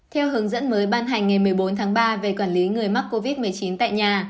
theo hướng dẫn mới ban hành ngày một mươi bốn tháng ba về quản lý người mắc covid một mươi chín tại nhà